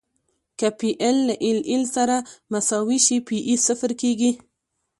که پی ایل له ایل ایل سره مساوي شي پی ای صفر کیږي